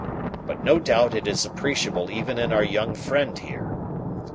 But no doubt it is appreciable even in our young friend here.